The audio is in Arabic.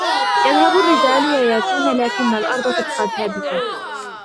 يذهب الرجال وياتون لكن الارض تبقى ثابتة